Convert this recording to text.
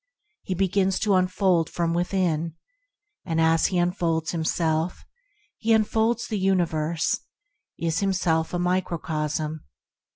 He begins to unfold from within, and as he unfolds himself, he enfolds the universe, is himself a micro cosm.